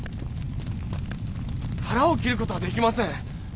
腹を切る事はできません。